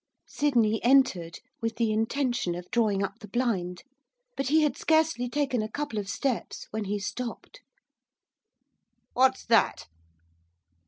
Sydney entered, with the intention of drawing up the blind, but he had scarcely taken a couple of steps when he stopped. 'What's that?